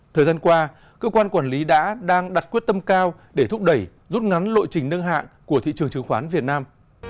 thời gian qua cơ quan quản lý đã đang đặt quyết tâm cao để thúc đẩy rút ngắn lộ trình nâng hạng của thị trường chứng khoán việt nam